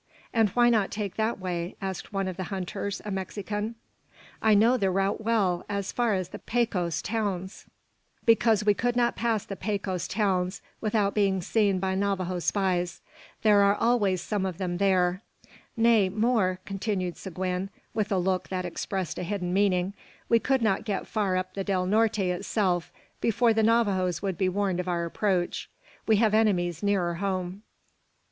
"And why not take that way?" asked one of the hunters, a Mexican. "I know the route well, as far as the Pecos towns." "Because we could not pass the Pecos towns without being seen by Navajo spies. There are always some of them there. Nay, more," continued Seguin, with a look that expressed a hidden meaning, "we could not get far up the Del Norte itself before the Navajoes would be warned of our approach. We have enemies nearer home."